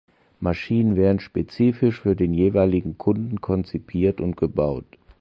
Maschinen werden spezifisch für den jeweiligen Kunden konzipiert und gebaut.